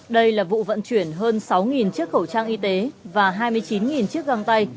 đây là vụ vận chuyển hơn sáu chiếc khẩu trang y tế và hai mươi chín chiếc găng tay